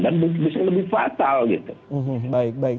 dan bisa lebih fatal